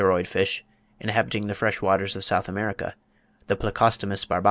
] In a siluroid fish, inhabiting the fresh waters of South America, the Plecostomus barbatus (18.